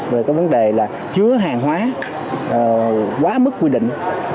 về vấn đề chứa hàng hóa quá mức quy định